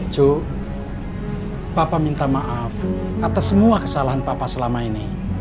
joe bapak minta maaf atas semua kesalahan papa selama ini